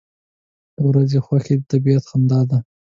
• د ورځې خوښي د طبیعت خندا ده.